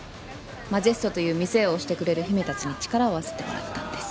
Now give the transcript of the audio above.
ＭＡＪＥＳＴという店を推してくれる姫たちに力を合わせてもらったんです。